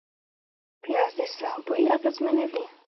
پیاز د ساه بوی اغېزمنوي